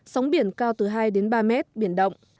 sóng biển cao từ hai đến ba mét biển động